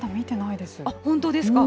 本当ですか。